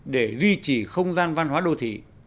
để duy trì không gian văn hóa đô thị